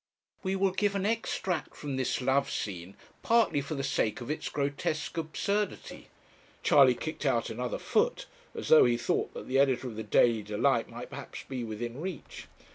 'We will give an extract from this love scene, partly for the sake of its grotesque absurdity ' Charley kicked out another foot, as though he thought that the editor of the Daily Delight might perhaps be within reach.